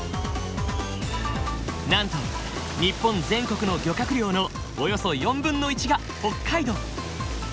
なんと日本全国の漁獲量のおよそ４分の１が北海道！